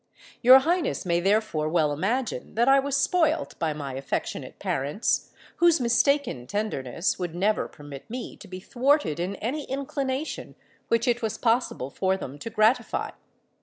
Your Highness may therefore well imagine that I was spoilt by my affectionate parents, whose mistaken tenderness would never permit me to be thwarted in any inclination which it was possible for them to gratify.